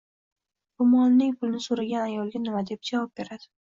Ro`molning pulini so`ragan ayoliga nima deb javob beradi